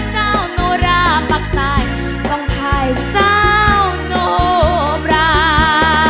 เศ์วโนราปักตายร้องทายเศษาโนปรา